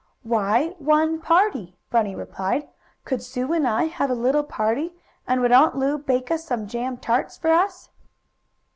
"Why, one party," Bunny replied. "Could Sue and I have a little party, and would Aunt Lu bake some jam tarts for us?"